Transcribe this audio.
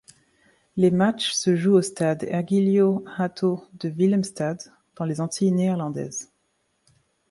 Les matchs se jouent au Stade Ergilio Hato de Willemstad dans les Antilles néerlandaises.